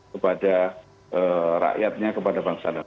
kepada rakyatnya kepada bangsa lain